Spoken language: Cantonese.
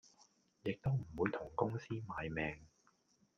亦都唔會同公司賣命